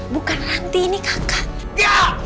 bukan ranti ini kakak